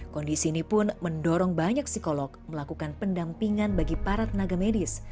kondisi ini pun mendorong banyak psikolog melakukan pendampingan bagi para tenaga medis